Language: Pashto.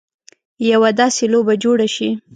یوه داسې لوبه جوړه شي.